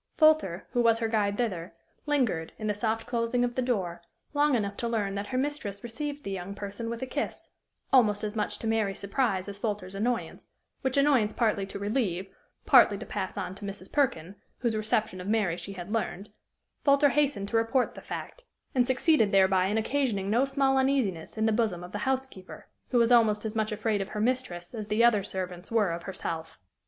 Folter, who was her guide thither, lingered, in the soft closing of the door, long enough to learn that her mistress received the young person with a kiss almost as much to Mary's surprise as Folter's annoyance, which annoyance partly to relieve, partly to pass on to Mrs. Perkin, whose reception of Mary she had learned, Folter hastened to report the fact, and succeeded thereby in occasioning no small uneasiness in the bosom of the housekeeper, who was almost as much afraid of her mistress as the other servants were of herself.